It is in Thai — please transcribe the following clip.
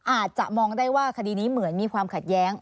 อาจจะมองได้ว่าคดีนี้เหมือนมีความขัดแย้ง